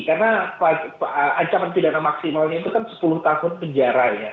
karena ancaman pidana maksimalnya itu kan sepuluh tahun penjaranya